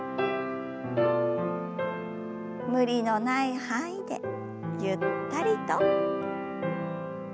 無理のない範囲でゆったりと。